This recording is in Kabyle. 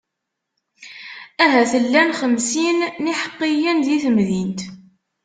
Ahat llan xemsin n iḥeqqiyen di temdint.